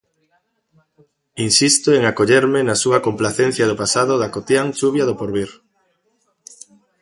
Insisto en acollerme na sua complacencia do pasado da cotián chuvia do porvir.